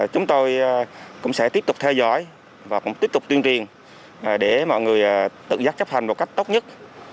chúng tôi cũng sẽ tiếp tục theo dõi và cũng tiếp tục tuyên truyền để mọi người tự giác chấp hành một cách tốt nhất